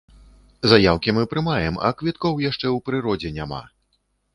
Заяўкі мы прымаем, а квіткоў яшчэ ў прыродзе няма.